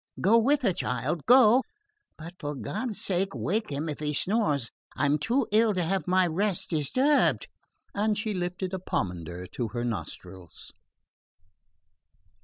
Go with her, child, go; but for God's sake wake him if he snores. I'm too ill to have my rest disturbed." And she lifted a pomander to her nostrils.